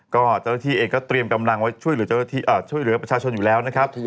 ก็เจ้าหน้าที่เองก็เตรียมกำลังไว้ช่วยเหลือประชาชนอยู่แล้วนะครับ